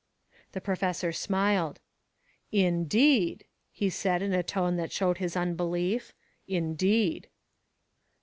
The professor smiled. "Indeed," he said in a tone that showed his unbelief. "Indeed."